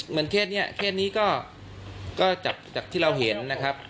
เคสนี้เคสนี้ก็จากที่เราเห็นนะครับ